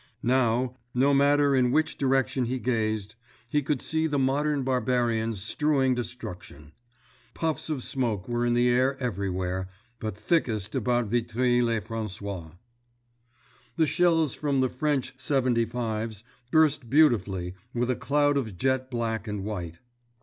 Now, no matter in which direction he gazed, he could see the modern barbarians strewing destruction. Puffs of smoke were in the air everywhere, but thickest about Vitry le François. The shells from the French "75's" burst beautifully with a cloud of jet black and white.